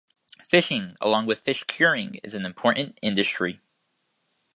Fishing, along with fish curing, is an important industry.